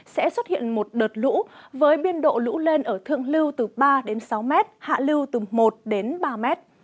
sẽ xuất hiện một đợt lũ với biên độ lũ lên ở thượng lưu từ ba sáu m hạ lưu từ một ba m